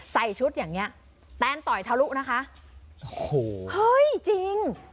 ใส่ชุดอย่างเงี้ยแตนต่อยทะลุนะคะโอ้โหเฮ้ยจริง